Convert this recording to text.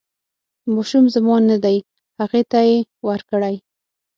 ماشوم زما نه دی هغې ته یې ورکړئ.